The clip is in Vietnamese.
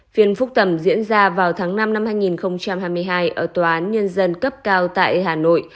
phiên phúc thẩm diễn ra vào tháng năm năm hai nghìn hai mươi hai ở tòa án nhân dân cấp cao tại hà nội